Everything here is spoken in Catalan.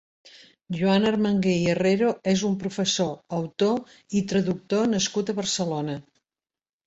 Joan Armangué i Herrero és un professor, autor i traductor nascut a Barcelona.